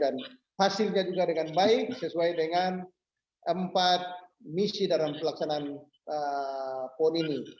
dan hasilnya juga dengan baik sesuai dengan empat misi dalam pelaksanaan poni ini